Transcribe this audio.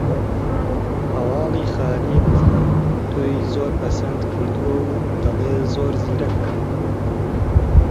هەواڵی خالید تۆی زۆر پەسند کردووە و دەڵێ زۆر زیرەکە